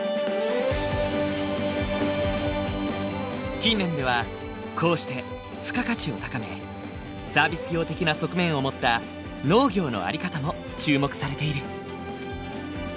近年ではこうして付加価値を高めサービス業的な側面を持った農業の在り方も注目されている。